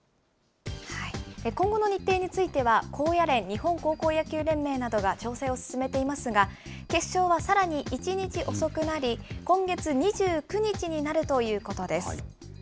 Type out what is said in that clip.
今後の日程については高野連・日本高校野球連盟などが調整を進めていますが、決勝はさらに１日遅くなり、今月２９日になるということです。